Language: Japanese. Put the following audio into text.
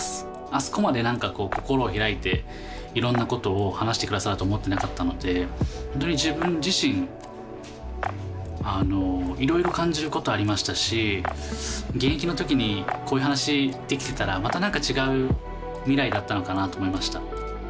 あそこまで心を開いていろんなことを話してくださると思ってなかったのでほんとに自分自身いろいろ感じることありましたし現役のときにこういう話できてたらまたなんか違う未来だったのかなと思いました。